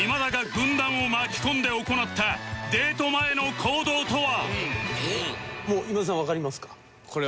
軍団を巻き込んで行ったデート前の行動とは？